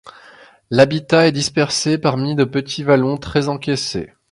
L'habitat est dispersé parmi de petits vallons très encaissés.